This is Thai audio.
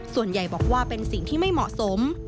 ส่วนใหญ่บอกว่าเป็นสิ่งที่ไม่เหมาะสม